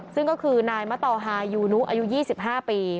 ซึ่งก็คือนายมะตอฮายูนุอายุ๒๕ปี